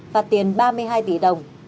và tiền ba mươi hai tỷ đồng